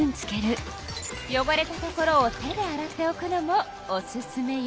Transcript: よごれたところを手で洗っておくのもおすすめよ。